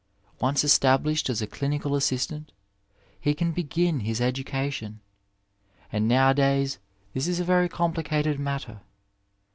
Once established as a clinical assistant he can begin his ^ education, and nowadays this is a very complicated matter.